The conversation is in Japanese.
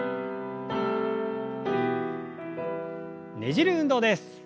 ねじる運動です。